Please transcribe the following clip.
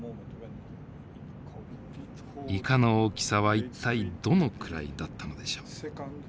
イカの大きさは一体どのくらいだったのでしょう。